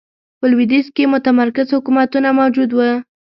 په لوېدیځ کې متمرکز حکومتونه موجود و.